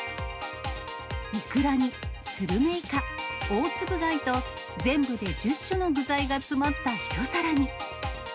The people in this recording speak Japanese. いくらにスルメイカ、大つぶ貝と、全部で１０種の具材が詰まった一皿に。